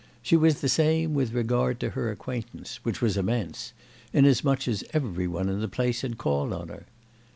She was the same with regard to her acquaintance, which was immense, inasmuch as every one in the place had called on her.